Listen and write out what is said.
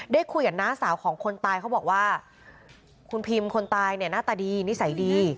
ได้คุยกับน้าสาวของคนตายเขาบอกว่าคุณพิมคนตายเนี่ยหน้าตาดีนิสัยดี